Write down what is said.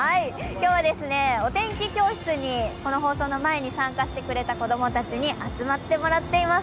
今日は、お天気教室にこの放送の前に参加してくれた子供たちに集まってもらっています。